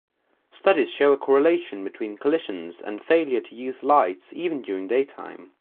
Studies show a correlation between collisions and failure to use lights even during daytime.